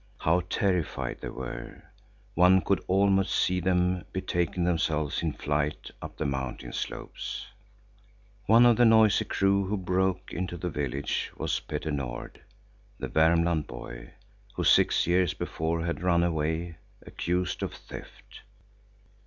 How terrified they were! One could almost see them betaking themselves in flight up the mountain slopes. One of the noisy crew who broke into the village was Petter Nord, the Värmland boy, who six years before had run away, accused of theft.